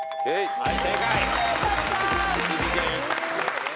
はい。